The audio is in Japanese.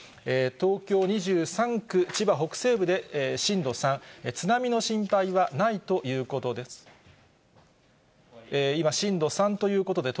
東京２３区、千葉北西部で震度３、津波の心配はないということです。